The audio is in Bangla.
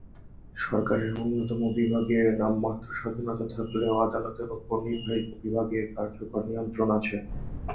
সরকারের অন্যান্য বিভাগের নামমাত্র স্বাধীনতা থাকলেও আদালতের উপর নির্বাহী বিভাগের কার্যকর নিয়ন্ত্রণে আছে।